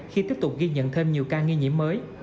khi tiếp tục ghi nhận thêm nhiều ca nghi nhiễm mới